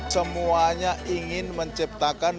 semuanya ingin menciptakan